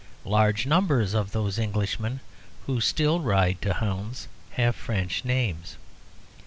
Large numbers of those Englishmen who still ride to hounds have French names.